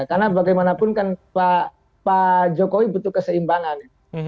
karena bagaimanapun kan pak jokowi butuh keseimbangan